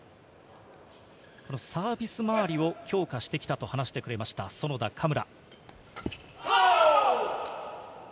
サービスまわりを強化してきたと話してくれました、園田・嘉村。